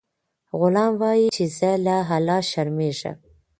غلام وایي چې زه له الله شرمیږم.